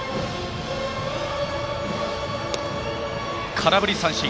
空振り三振。